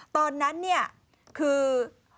ตอนนั้นเนี่ยคือ